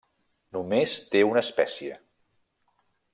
Només té una espècie.